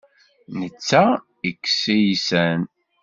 Netta ikess iysan.